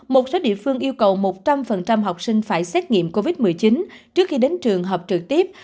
một số địa phương yêu cầu một trăm linh học sinh phải xét nghiệm covid một mươi chín trước khi đến trường học trực tiếp